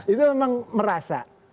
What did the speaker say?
itu memang merasa